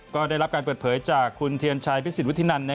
ก็ได้รับการเปิดเผยจากคุณเทียนชัยพิสิทธิวุฒินัน